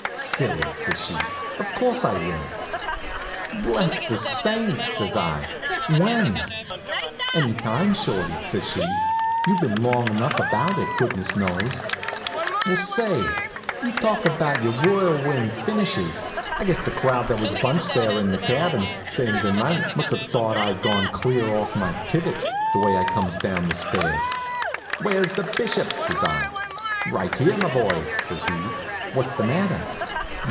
"Silly!" says she. "Of course I will." "Bless the saints!" says I. "When?" "Any time, Shorty," says she. "You've been long enough about it, goodness knows." Well say! You talk about your whirlwind finishes! I guess the crowd that was bunched there in the cabin, sayin' good night, must have thought I'd gone clear off my pivot, the way I comes down the stairs. "Where's the bishop?" says I. "Right here, my boy," says he. "What's the matter?"